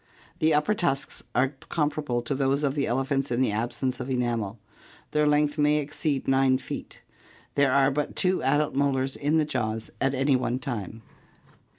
The upper tusks are comparable to those of the elephants in the absence of enamel. Their length may exceed 9 feet. There are but two adult molars in the jaws at any one time.